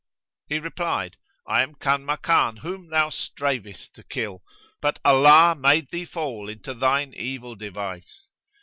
He replied, "I am Kanmakan whom thou stravest to kill; but Allah made thee fall into thine evil device.